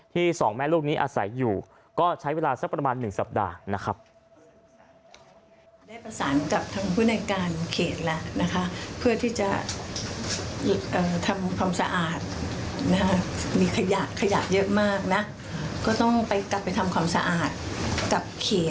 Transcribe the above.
สองแม่ลูกนี้อาศัยอยู่ก็ใช้เวลาสักประมาณ๑สัปดาห์นะครับ